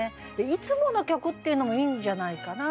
「いつもの曲」っていうのもいいんじゃないかな。